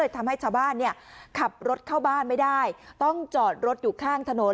ทำให้ชาวบ้านขับรถเข้าบ้านไม่ได้ต้องจอดรถอยู่ข้างถนน